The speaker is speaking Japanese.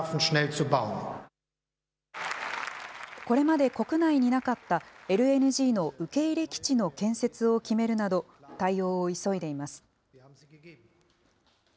これまで国内になかったＬＮＧの受け入れ基地の建設を決めるなど、対応を急いでいます。